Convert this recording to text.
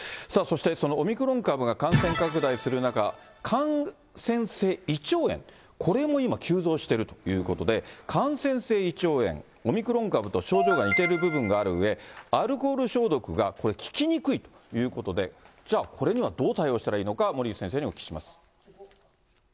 さあそして、このオミクロン株が感染拡大する中、感染性胃腸炎、これも今、急増しているということで、感染性胃腸炎、オミクロン株と症状が似ている部分があるうえ、アルコール消毒がこれ、効きにくいということで、じゃあ、これにはどう対応したらいいのか、森内先生にお聞きします。